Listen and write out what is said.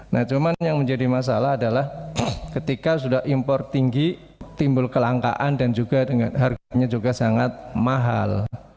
nah cuman yang menjadi masalah adalah ketika sudah impor tinggi timbul kelangkaan dan juga dengan harganya juga sangat mahal